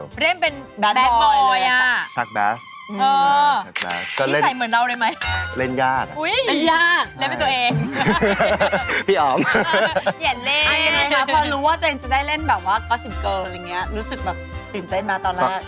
รู้สึกตื่นเต้นมาตอนแรก